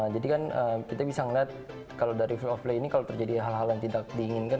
jadi kan kita bisa ngeliat kalau dari field of play ini kalau terjadi hal hal yang tidak diinginkan